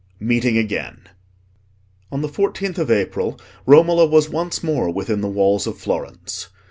Meeting Again. On the fourteenth of April Romola was once more within the walls of Florence.